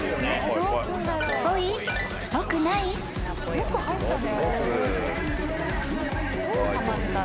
よく入ったね。